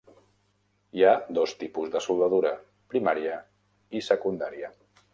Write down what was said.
Hi ha dos tipus de soldadura, primària i secundària.